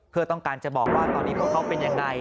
เพื่อต้องการจะบอกว่าตอนนี้พวกเขาเป็นยังไง